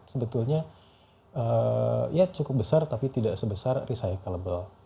sebetulnya ya cukup besar tapi tidak sebesar recycle